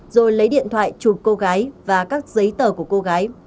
rồi lấy điện thoại chụp cô gái và các giấy tờ của cô gái